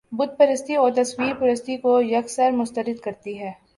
بت پرستی کو اور تصویر پرستی کو یک سر مسترد کرتی ہے